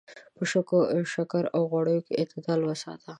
په شکر او غوړو کې اعتدال وساته.